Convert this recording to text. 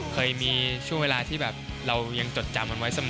เคยมีช่วงเวลาที่แบบเรายังจดจำกันไว้เสมอ